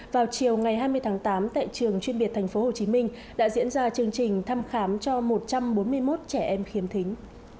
vào chiều ngày hai mươi tháng tám tại trường chuyên biệt tp hcm đã diễn ra chương trình thăm khám cho một trăm bốn mươi một trẻ em khiếm thính